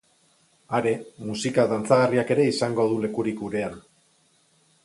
Are, musika dantzagarriak ere izango du lekurik gurean.